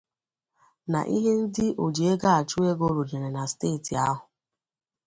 na ihe ndị ojiegoachụego rụnyere na steeti ahụ